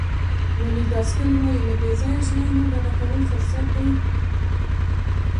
لولي ډاسکل وایي له بې ځایه شیانو ډډه کول فرصت دی.